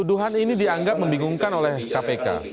tuduhan ini dianggap membingungkan oleh kpk